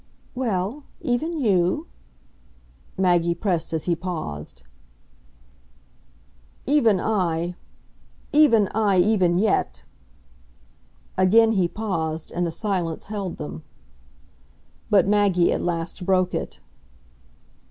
"Well, even you?" Maggie pressed as he paused. "Even I, even I even yet !" Again he paused and the silence held them. But Maggie at last broke it.